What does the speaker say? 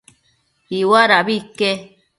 Iuadabi ique